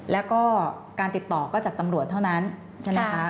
แล้วก็การติดต่อก็จากตำรวจเท่านั้นใช่ไหมคะ